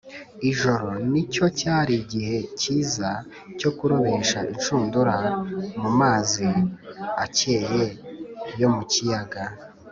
ijoro nicyo cyari igihe cyiza cyo kurobesha inshundura mu mazi akeye yo mu kiyaga